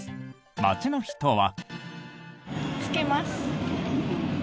街の人は。